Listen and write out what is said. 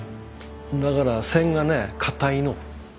だから線がね硬いの。